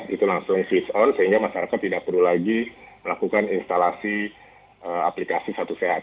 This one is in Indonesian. itu langsung switch on sehingga masyarakat tidak perlu lagi melakukan instalasi aplikasi satu sehat